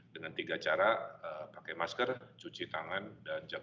dengan tiga cara pakai masker cuci tangan dan berhenti berhenti berhenti